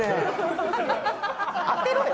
あてろよ！